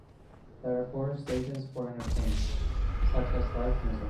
There are four stages for entertainment such as live music.